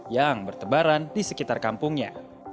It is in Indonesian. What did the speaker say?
yang bertebaran di sekitar kampungnya